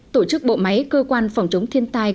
tổ chức bộ máy cơ quan phòng chống thiên tai